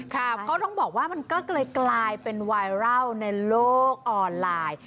เขาต้องบอกว่ามันก็เลยกลายเป็นไวรัลในโลกออนไลน์